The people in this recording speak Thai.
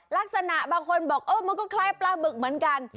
ลักษณะบางคนบอกเออมันก็คล้ายปลาบึกเหมือนกัน